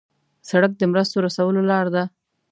سړک د مرستو رسولو لار ده.